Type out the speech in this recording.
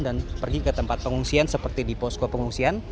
dan pergi ke tempat pengungsian seperti di posko pengungsian